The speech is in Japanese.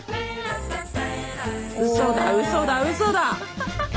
うそだうそだうそだ。